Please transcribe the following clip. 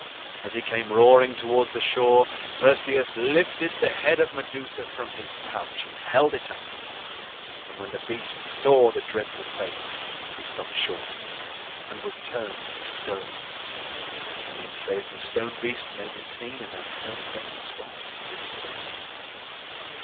As he came roaring towards the shore, Perseus lifted the head of Medusa from his pouch and held it up; and when the beast saw the dreadful face he stopped short and was turned into stone; and men say that the stone beast may be seen in that selfsame spot to this day.